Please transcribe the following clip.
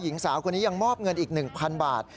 หญิงสาวคนนี้ยังมอบเงินอีก๑๐๐๐บาท